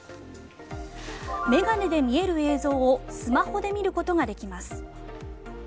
眼鏡で見える映像をスマホで見ることができます。